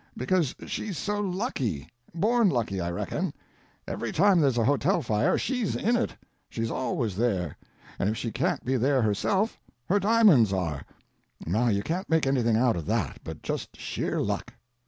Because she's so lucky; born lucky, I reckon. Every time there's a hotel fire she's in it. She's always there—and if she can't be there herself, her diamonds are. Now you can't make anything out of that but just sheer luck."